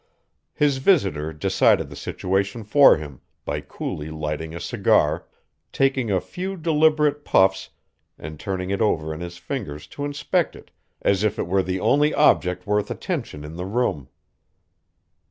His visitor decided the situation for him by coolly lighting a cigar, taking a few deliberate puffs and turning it over in his fingers to inspect it as if it were the only object worth attention in the room.